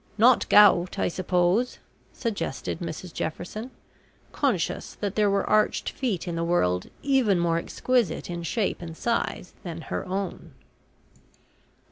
"Not gout, I suppose?" suggested Mrs Jefferson, conscious that there were arched feet in the world even more exquisite in shape and size than her own.